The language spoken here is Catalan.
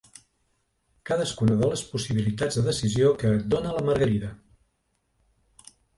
Cadascuna de les possibilitats de decisió que et dóna la margarida.